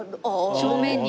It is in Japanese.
正面に。